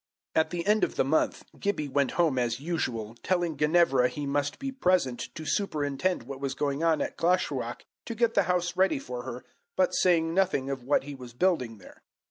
At the end of the month Gibbie went home as usual, telling Ginevra he must be present to superintend what was going on at Glashruach to get the house ready for her, but saying nothing of what he was building there.